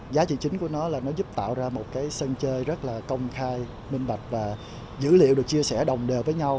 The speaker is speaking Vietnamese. giá trị chính của nó là nó giúp tạo ra một cái sân chơi rất là công khai minh bạch và dữ liệu được chia sẻ đồng đều với nhau